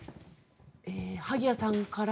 萩谷さんから。